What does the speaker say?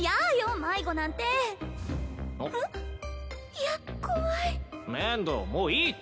いや怖い！